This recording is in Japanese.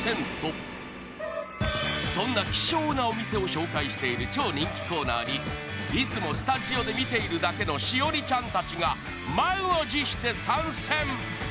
そんな希少なお店を紹介している超人気コーナーにいつもスタジオで見ているだけの栞里ちゃんたちが満を持して参戦！